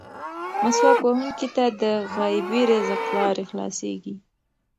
مسواک وهونکي ته د غیبي رزق لارې خلاصېږي.